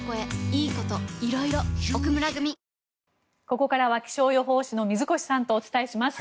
ここからは気象予報士の水越さんとお伝えします。